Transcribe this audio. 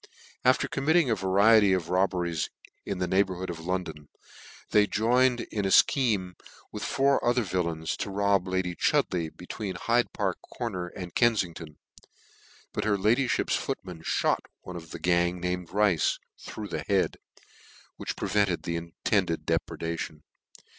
After committing a variety of robberies in the neighbourhood of London, they joined in a fchenie with four other villains to rob lady Chud leigh, between Hyde Park Corner and Kenfing ton : but her ladyfhip's footman fliot one of the gang, named Rice, through the head, which pre vented the intended depredation.